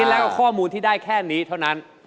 แล้วก็ข้อมูลที่ได้แค่นี้เท่านั้น